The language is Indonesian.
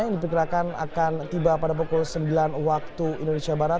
yang diperkirakan akan tiba pada pukul sembilan waktu indonesia barat